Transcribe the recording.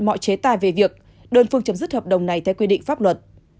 mọi chế tài về việc đơn phương chấm dứt hợp đồng này theo quy định pháp luật